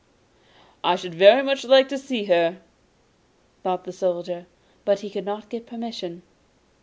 'I should very much like to see her,' thought the Soldier; but he could not get permission.